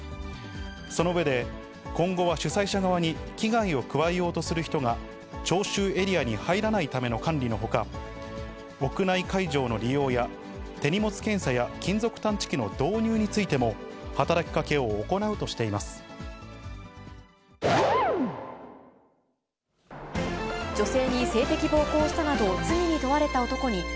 その上で、今後は主催者側に危害を加えようとする人が聴衆エリアに入らないための管理のほか、屋内会場の利用や、手荷物検査や金属探知機の導入についても、働きかけを行うとして日やけ止めで透明感を生み出す。